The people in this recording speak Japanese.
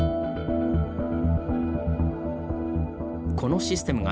このシステ厶が